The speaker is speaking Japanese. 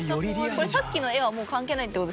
これさっきの絵はもう関係ないって事ですよね？